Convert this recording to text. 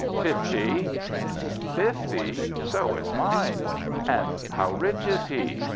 "Fifty." "Fifty! So is mine! And how rich is he?